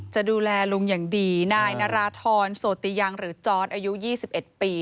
จะดูแลลุงอย่างดีนายนาราธรโสติยังหรือจอร์ดอายุ๒๑ปี